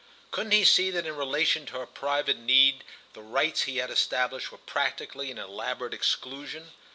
Couldn't he see that in relation to her private need the rites he had established were practically an elaborate exclusion?